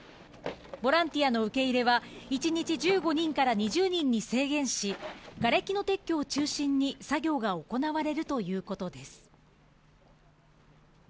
ボランティアの受け入れは、１日１５日から２０人に制限し、がれきの撤去を中心に作業が行われるということです。